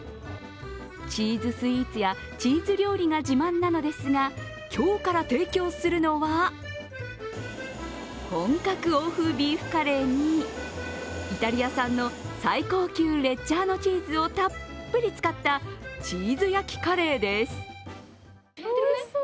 チーズスイーツやチーズ料理が自慢なのですが今日から提供するのは本格欧風ビーフカレーにイタリア産の最高級レッジャーノチーズをたっぷり使ったチーズ焼きカレーです。